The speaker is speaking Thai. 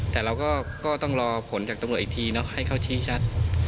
แต่เราก็ต้องรอผลจากตำรวจอีกทีให้เขาชี้ชัด